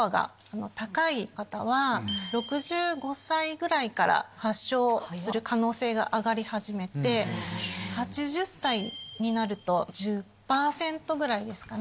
６５歳ぐらいから発症する可能性が上がり始めて８０歳になると１０％ぐらいですかね。